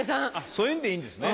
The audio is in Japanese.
そういうのでいいんですね。